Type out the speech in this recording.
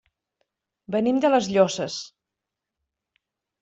Venim de les Llosses.